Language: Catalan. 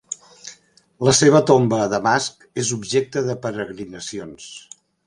La seva tomba a Damasc és objecte de peregrinacions.